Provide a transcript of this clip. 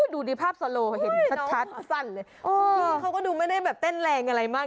ดูดีภาพโซโลเห็นจัดสั้นเลย